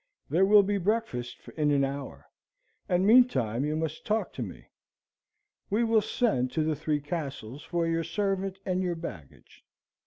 There will be breakfast in an hour; and meantime you must talk to me. We will send to the Three Castles for your servant and your baggage.